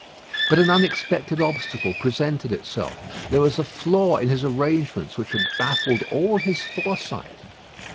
But an unexpected obstacle presented itself. There was a flaw in his arrangements which had baffled all his foresight.